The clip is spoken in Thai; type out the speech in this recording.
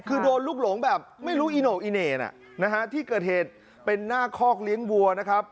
คือโดนลูกหลงแบบไม่รู้อีโน่อีเหน่น่ะนะฮะที่เกิดเหตุเป็นหน้าคอกเลี้ยงวัวนะครับ